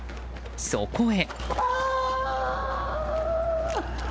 そこへ。